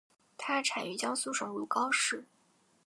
它产于江苏省如皋市。